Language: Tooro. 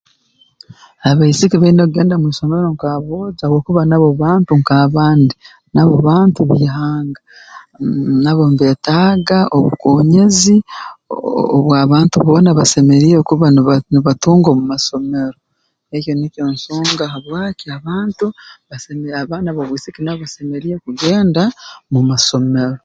Abaisiki baine kugenda mu isomero nk'aboojo habwokuba nabo bantu nk'abandi nabo bantu b'ihanga nn nabo mbeetaaga obukoonyezi ooh obw'abantu boona basemeriire kuba niba nibatunga omu masomero ekyo nikyo nsonga habwaki abantu basemeri abaana b'obwisiki nabo basemeriire kugenda mu masomero